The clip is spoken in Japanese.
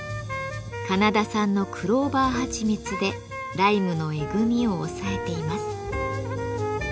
カナダ産のクローバーはちみつでライムのえぐみを抑えています。